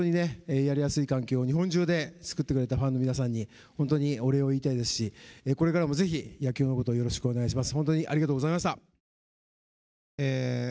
それを、やりやすい環境を日本中で作ってくれたファンの皆さんに本当にお礼を言いたいですし、これからもぜひ野球のことよろしくお願いします。